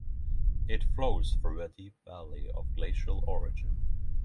It flows through a deep valley of glacial origin.